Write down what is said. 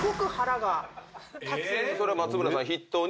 それは松村さん筆頭に？